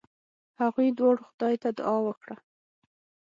هغوی دواړو خدای ته دعا وکړه.